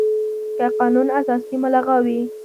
که قانون اساسي ملغا وي،